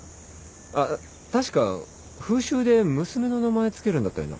あっ確か風習で娘の名前付けるんだったよな？